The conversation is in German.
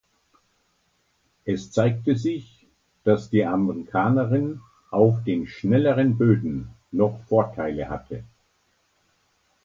Es zeigte sich, dass die Amerikanerin auf den schnelleren Böden noch Vorteile hatte.